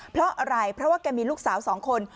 เพราะอะไรเพราะว่าแกมีลูกสาวสองคน